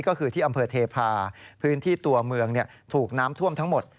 ก็คือที่อำเภอเทพาพื้นที่ตัวเมืองถูกน้ำท่วมทั้งหมด